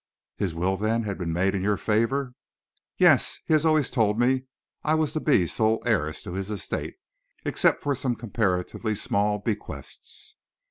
"His will, then, has been made in your favor?" "Yes; he has always told me I was to be sole heiress to his estate, except for some comparatively small bequests."